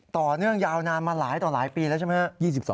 ต่อเนื่องยาวนานมาหลายต่อหลายปีแล้วใช่ไหมครับ